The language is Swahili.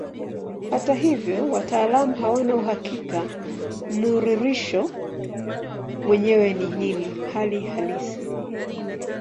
Hata hivyo wataalamu hawana uhakika mnururisho mwenyewe ni nini hali halisi.